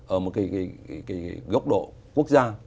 ở một góc độ quốc gia